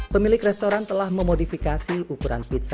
pemilik restoran telah memodifikasi ukuran pizza